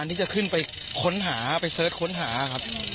ที่จะขึ้นไปค้นหาไปเสิร์ชค้นหาครับ